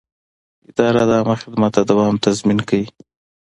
اداره د عامه خدمت د دوام تضمین کوي.